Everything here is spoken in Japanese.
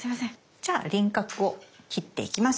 じゃあ輪郭を切っていきます。